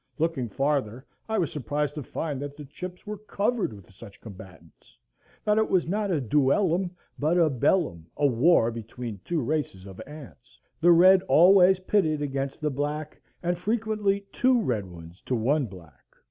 Looking farther, I was surprised to find that the chips were covered with such combatants, that it was not a duellum, but a bellum, a war between two races of ants, the red always pitted against the black, and frequently two red ones to one black.